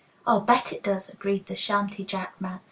"I'll bet it does," agreed the shanty jack man.